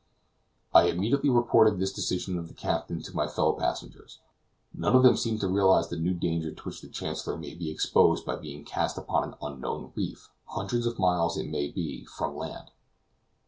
I immediately reported this decision of the captain to my fellow passengers. None of them seemed to realize the new danger to which the Chancellor may be exposed by being cast upon an unknown reef, hundreds of miles it may be from land.